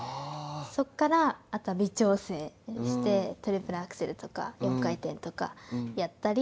そこからあとは微調整してトリプルアクセルとか４回転とかやったり。